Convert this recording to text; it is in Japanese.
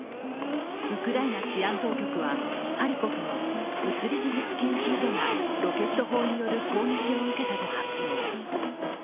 ウクライナ治安当局はハリコフの物理技術研究所がロケット砲による攻撃を受けたと発表。